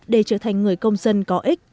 để trở thành người công dân có ích